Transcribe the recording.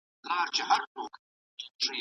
هنري او جکسن لوبې ختموي.